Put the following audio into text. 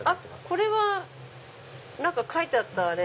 これは何か書いてあった。